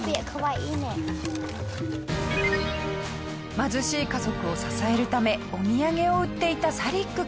貧しい家族を支えるためお土産を売っていたサリック君。